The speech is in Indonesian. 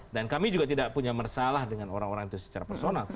dan kami juga tidak punya masalah dengan orang orang itu secara personal